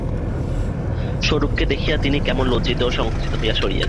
স্বরূপকে দেখিয়া তিনি কেমন লজ্জিত ও সংকুচিত হইয়া সরিয়া গিয়াছিলেন।